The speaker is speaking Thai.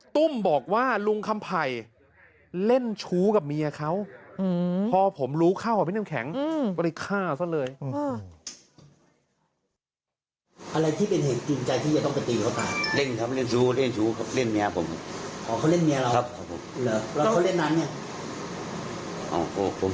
ตุ้มบอกว่าลุงคำไผ่เล่นชู้กับเมียเขาอืม